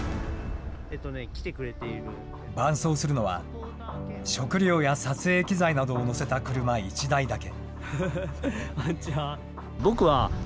伴走するのは、食料や撮影機材などを載せた車１台だけ。